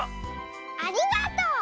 ありがとう！